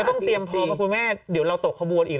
มันก็ต้องเตรียมพอคุณแม่เดี๋ยวเราตกขบวนอีก